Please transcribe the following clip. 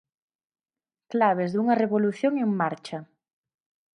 Claves dunha revolución en marcha.